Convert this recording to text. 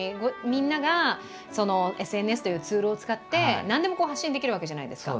みんながＳＮＳというツールを使って何でも発信できるわけじゃないですか。